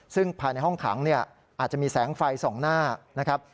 ซึ่งภายในห้องขังเนี่ยอาจจะมีแสงไฟส่องหน้านะครับ